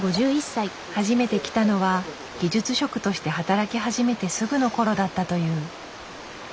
初めて来たのは技術職として働き初めてすぐのころだったという。